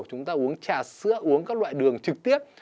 chúng ta uống trà sữa uống các loại đường trực tiếp